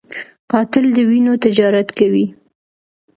قاتل د وینو تجارت کوي